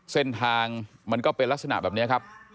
เส้นทางมันก็เป็นลักษณะแบบนี้ครับ